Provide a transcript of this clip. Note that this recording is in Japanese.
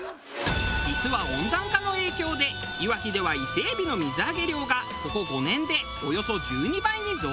実は温暖化の影響でいわきでは伊勢海老の水揚げ量がここ５年でおよそ１２倍に増加。